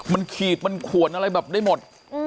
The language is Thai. มันขีดมันขวนอะไรแบบได้หมด